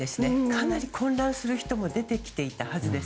かなり混乱する人も出てきていたはずです。